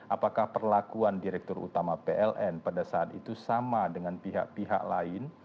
apakah perlakuan direktur utama pln pada saat itu sama dengan pihak pihak lain